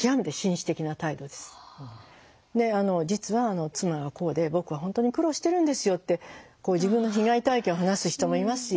で「実は妻がこうで僕は本当に苦労してるんですよ」って自分の被害体験を話す人もいますし。